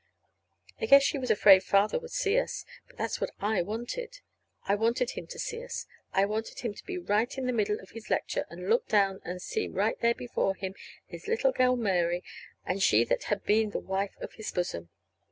I guess she was afraid Father would see us, but that's what I wanted. I wanted him to see us. I wanted him to be right in the middle of his lecture and look down and see right there before him his little girl Mary, and she that had been the wife of his bosom.